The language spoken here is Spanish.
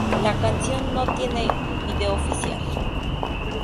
La canción no tiene video oficial.